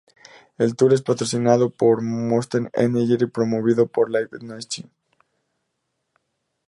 El tour es patrocinado por Monster Energy y promovido por Live Nation.